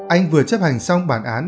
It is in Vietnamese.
anh vừa chấp hành xong bản án